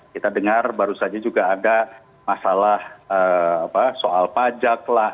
kita dengar baru saja juga ada masalah soal pajak lah